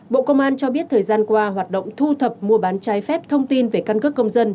bộ công an cho biết thời gian qua hoạt động thu thập mua bán trái phép thông tin về căn cước công dân